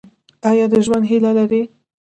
ایا د ژوند هیله لرئ؟